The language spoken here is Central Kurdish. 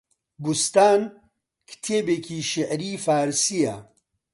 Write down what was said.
بووستان، کتێبێکی شێعری فارسییە